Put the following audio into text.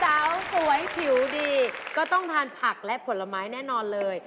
สาวสวยผิวดีก็ต้องทานผักและผลไม้แน่นอนเลย